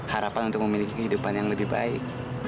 harapan untuk memiliki kehidupan yang lebih baik